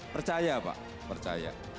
percaya pak percaya